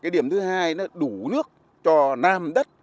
điểm thứ hai là đủ nước cho nam định